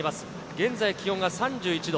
現在気温が３１度。